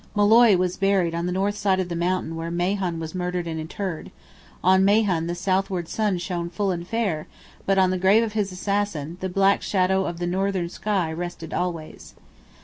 Molloy was buried on the north side of the mountain where Mahon was murdered and interred; on Mahon the southward sun shone full and fair; but on the grave of his assassin, the black shadow of the northern sky rested always.